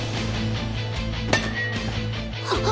あっ！